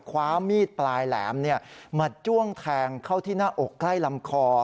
คว้ามีดปลายแหลมมาจ้วงแทงเข้าที่หน้าอกใกล้ลำคอ